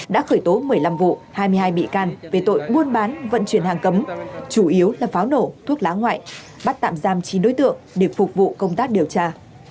đã khởi tố một mươi năm vụ hai mươi hai bị can về tội buôn bán vận chuyển hàng cấm chủ yếu là pháo nổ thuốc lá ngoại bắt tạm giam chín đối tượng để phục vụ công tác điều tra